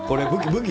武器？